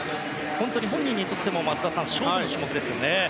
本当に本人にとっても松田さん、勝負の種目ですね。